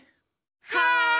はい。